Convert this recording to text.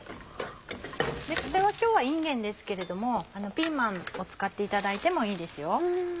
今日はいんげんですけれどもピーマンを使っていただいてもいいですよ。